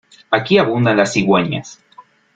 Aquí abundan las cigüeñas.